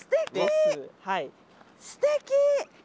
すてき！